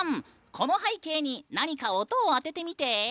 この背景に何か音を当ててみて。